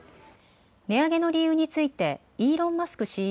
値上げの理由についてイーロン・マスク